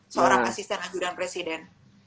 seorang asisten ajudan presiden